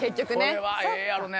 これはええやろね。